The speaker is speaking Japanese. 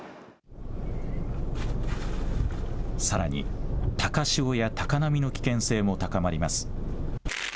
さらに、高潮や高波の危険性も高まります。